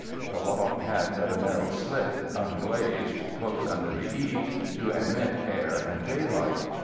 The loft had but a narrow slit, unglazed, close under the eaves, to admit air and daylight.